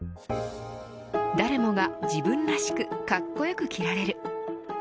誰もが自分らしくかっこよく着られる。